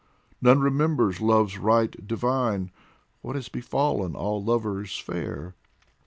None remembers love's right divine ; What has befallen all lovers fair